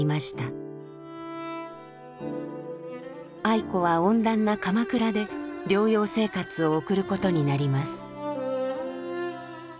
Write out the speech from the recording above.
愛子は温暖な鎌倉で療養生活を送ることになります。